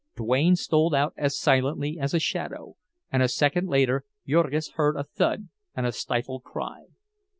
Duane stole out as silently as a shadow, and a second later Jurgis heard a thud and a stifled cry.